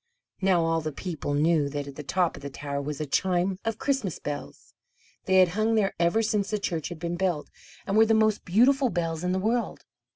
Now all the people knew that at the top of the tower was a chime of Christmas bells. They had hung there ever since the church had been built, and were the most beautiful bells in the world.